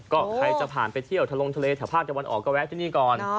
ก็ใครจะผ่านไปเที่ยวทะลงทะเลแถวภาคตะวันออกก็แวะที่นี่ก่อน